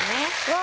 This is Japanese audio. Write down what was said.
わ！